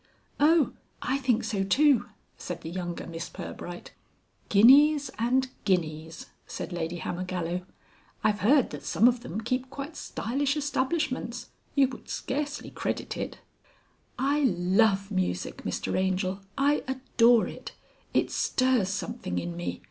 "Oh! I think so too," said the younger Miss Pirbright. "Guineas and guineas," said Lady Hammergallow. "I've heard that some of them keep quite stylish establishments. You would scarcely credit it " "I love music, Mr Angel, I adore it. It stirs something in me.